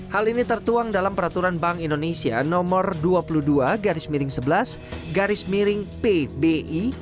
hal ini tertuang dalam peraturan bank indonesia nomor dua puluh dua garis miring sebelas garis miring pbi